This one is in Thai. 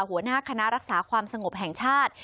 หัวหน้าคณะรักษาความสงบแห่งชาติ